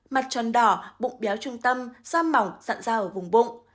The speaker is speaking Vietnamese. mặt tròn đỏ bụng béo trung tâm da mỏng dặn da ở vùng bụng